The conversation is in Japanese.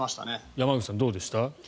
山口さんはどうでした？